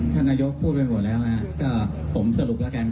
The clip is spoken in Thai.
ท่านนายกพูดไปหมดแล้วไงก็ผมสรุปแล้วกัน